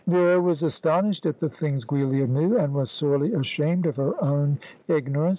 Vera was astonished at the things Giulia knew, and was sorely ashamed of her own ignorance.